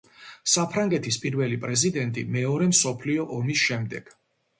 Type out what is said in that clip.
საფრანგეთის პირველი პრეზიდენტი მეორე მსოფლიო ომის შემდეგ.